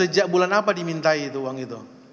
jadi saya minta uang itu